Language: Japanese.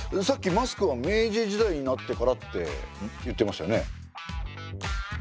さっきマスクは明治時代になってからって言ってましたよね。